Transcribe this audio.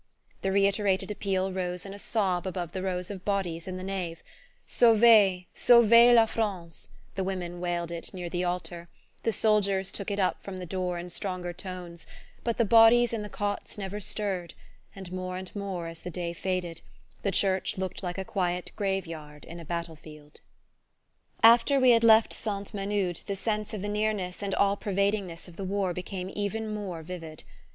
_" The reiterated appeal rose in a sob above the rows of bodies in the nave: "Sauvez, sauvez la France," the women wailed it near the altar, the soldiers took it up from the door in stronger tones; but the bodies in the cots never stirred, and more and more, as the day faded, the church looked like a quiet grave yard in a battle field. After we had left Sainte Menehould the sense of the nearness and all pervadingness of the war became even more vivid.